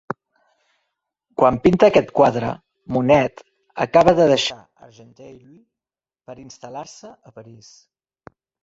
Quan pinta aquest quadre, Monet acaba de deixar Argenteuil per instal·lar-se a París.